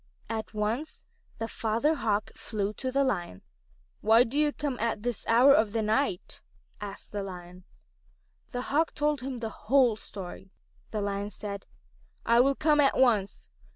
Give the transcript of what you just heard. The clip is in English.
At once the Father Hawk flew to the Lion. "Why do you come at this hour of the night?" asked the Lion. The Hawk told him the whole story. The Lion said: "I will come at once.